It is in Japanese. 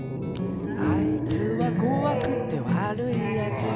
「あいつはこわくてわるいやつ」